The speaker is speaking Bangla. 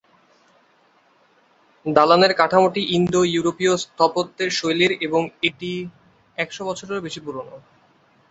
দালানের কাঠামোটি ইন্দো-ইউরোপীয় স্থাপত্যে শৈলীর এবং এটি একশো বছরেরও বেশি পুরানো।